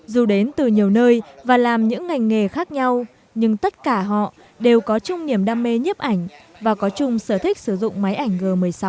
dù đến từ nhiều nơi và làm những ngành nghề khác nhau nhưng tất cả họ đều có chung niềm đam mê nhiếp ảnh và có chung sở thích sử dụng máy ảnh g một mươi sáu